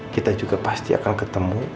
kita juga pasti akan ketemu